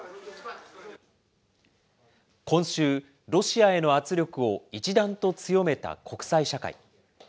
今週、ロシアへの圧力を一段と強めた国際社会。